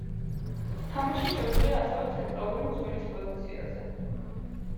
თამაში შეუძლია ასევე ცენტრალური მცველის პოზიციაზე.